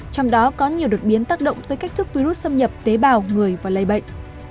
trong đó có nhiều đột biến tác động tới cách thức virus xâm nhập tế bào người và lây bệnh